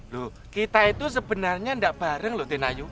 loh kita itu sebenarnya enggak bareng loh denayu